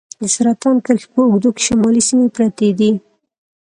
د سرطان کرښې په اوږدو کې شمالي سیمې پرتې دي.